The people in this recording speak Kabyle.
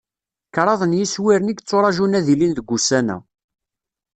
Kraḍ n yiswiren i yetturaǧun ad d-ilin deg wussan-a.